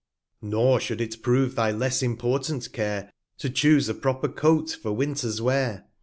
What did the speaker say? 40 Nor should it prove thy less important Care, To chuse a proper Coat for Winter's Wear.